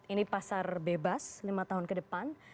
ini pasar bebas lima tahun ke depan